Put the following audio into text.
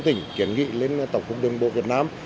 tỉnh kiến nghị lên tổng cục đường bộ việt nam